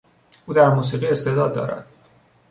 او در موسیقی استعداد دارد.